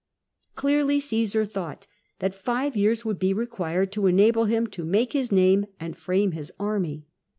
Clearly Crnsar thought that five years would be required to enable him to make his name and to frame his army.